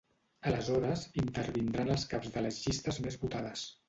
Aleshores intervindran els caps de les llistes més votades.